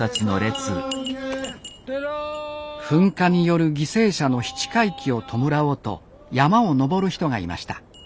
噴火による犠牲者の七回忌を弔おうと山を登る人がいました。